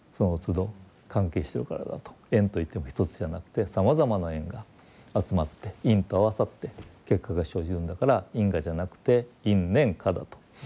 縁といっても一つじゃなくてさまざまな縁が集まって因と合わさって結果が生じるんだから因果じゃなくて因縁果だと。